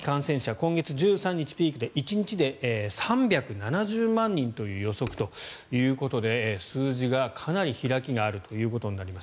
今月１３日がピークで１日で３７０万人という予測ということで数字がかなり開きがあるということになります。